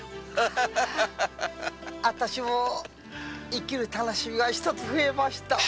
私も生きる楽しみが一つ増えました。